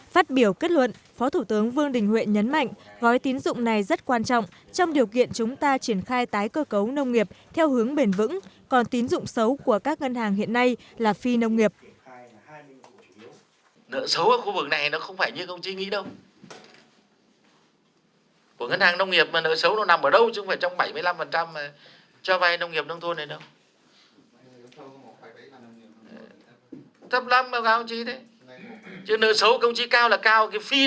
phát biểu kết luận phó thủ tướng vương đình huệ nhấn mạnh gói tiến dụng này rất quan trọng trong điều kiện chúng ta triển khai tái cơ cấu nông nghiệp theo hướng bền vững còn tiến dụng xấu của các ngân hàng hiện nay là phi nông nghiệp